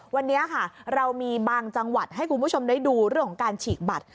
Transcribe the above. วันนี้ค่ะเรามีบางจังหวัดให้คุณผู้ชมได้ดูเรื่องของการฉีกบัตร